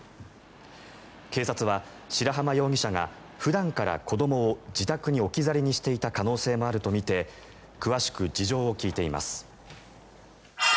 警察は白濱容疑者が普段から子どもを自宅に置き去りにしていた可能性もあるとみて詳しく事情を聴いています。